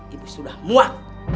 ibu sudah muak